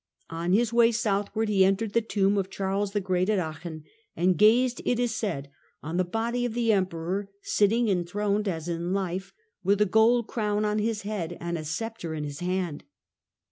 On ^^^^ his way southward he entered the tomb of Charles the Great at Aachen, and gazed, it is said, on the body of the Emperor, sitting enthroned, as in life, with a gold crown on his head and a sceptre in his hand.